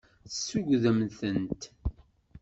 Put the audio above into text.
Tessugdem-tent.